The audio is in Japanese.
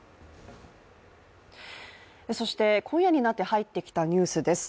そして今夜になって入ってきたニュースです。